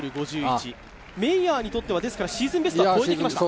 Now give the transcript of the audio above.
７ｍ５１、メイヤーにとってはシーズンベストを超えてきました。